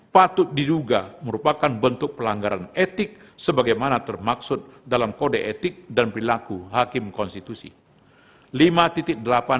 patut diduga merupakan bentuk pelanggaran etik sebagaimana termaksud dalam kode etik dan perilaku hakim konstitusi